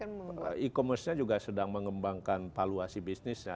kalau sekarang kan e commerce nya juga sedang mengembangkan valuasi bisnisnya